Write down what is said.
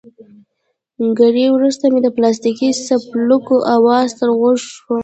ګړی وروسته مې د پلاستیکي څپلکو اواز تر غوږو شو.